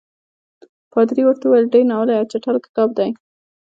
پادري ورته وویل ډېر ناولی او چټل کتاب دی.